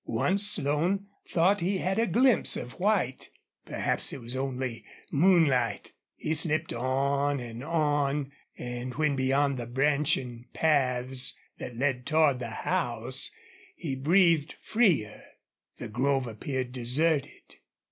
Once Slone thought he had a glimpse of white. Perhaps it was only moonlight. He slipped on and on, and when beyond the branching paths that led toward the house he breathed freer. The grove appeared deserted.